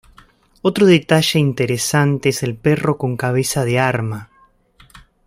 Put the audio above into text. Otro detalle interesante es el perro con cabeza de arma.